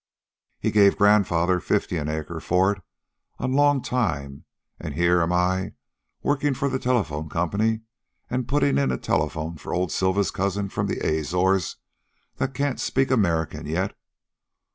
He gave grandfather fifty an acre for it on long time, an' here am I, workin' for the telephone company an' putting' in a telephone for old Silva's cousin from the Azores that can't speak American yet.